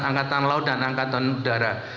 angkatan laut dan angkatan udara